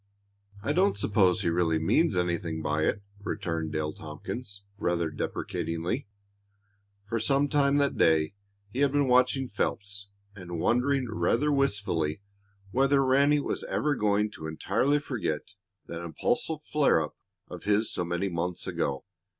"I don't suppose he really means anything by it," returned Dale Tompkins, rather deprecatingly. For some time that day he had been watching Phelps and wondering rather wistfully whether Ranny was ever going to entirely forget that impulsive flare up of his so many months ago.